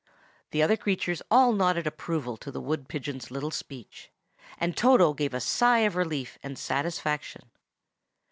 The other creatures all nodded approval to the wood pigeon's little speech, and Toto gave a sigh of relief and satisfaction.